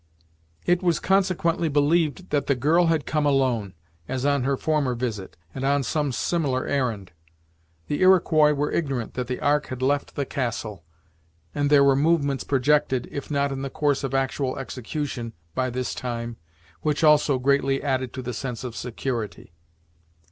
It was consequently believed that the girl had come alone, as on her former visit, and on some similar errand. The Iroquois were ignorant that the ark had left the castle, and there were movements projected, if not in the course of actual execution, by this time, which also greatly added to the sense of security.